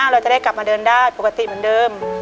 เราจะได้กลับมาเดินได้ปกติเหมือนเดิม